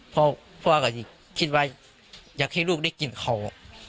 พ่อก็คิดว่าอยากให้ลูกได้กลิ่นเขา